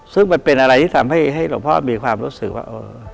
ซึ่งมันเป็นอะไรที่ทำให้หลวงพ่อมีความรู้สึกว่า